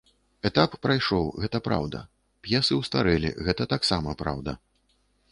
Этап прайшоў, гэта праўда, п'есы ўстарэлі, гэта таксама праўда.